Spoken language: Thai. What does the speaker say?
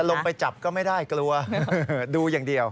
ลงไปจับก็ไม่ได้กลัวดูอย่างเดียว